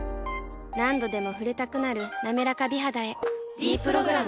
何度でも触れたくなる「なめらか美肌」へ「ｄプログラム」